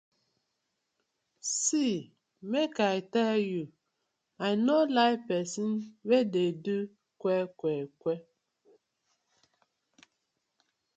See mek I tell yu, I no like pesin wey de do kwe kwe kwe.